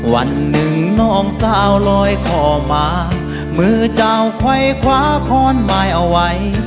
วันหนึ่งน้องสาวลอยคอมามือเจ้าค่อยคว้าค้อนบายเอาไว้